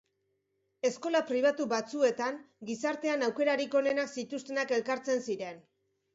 Eskola pribatu batzuetan gizartean aukerarik onenak zituztenak elkartzen ziren.